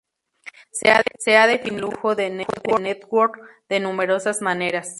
Se ha definido el flujo de "network" de numerosas maneras.